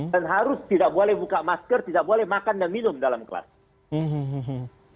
dan harus tidak boleh buka masker tidak boleh makan dan minum dalam kelas